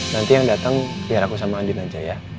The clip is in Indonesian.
nanti yang datang biar aku sama andi dan jaya